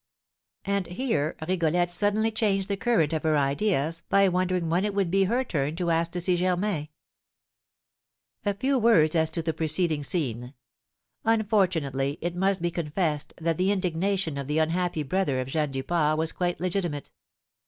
And here Rigolette suddenly changed the current of her ideas by wondering when it would be her turn to ask to see Germain. A few words as to the preceding scene. Unfortunately it must be confessed that the indignation of the unhappy brother of Jeanne Duport was quite legitimate.